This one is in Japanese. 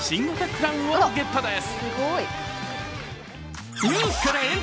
クラウンをゲットです。